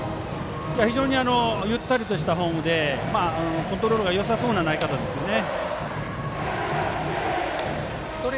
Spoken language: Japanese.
非常にゆったりとしたフォームでコントロールがよさそうな投げ方ですね。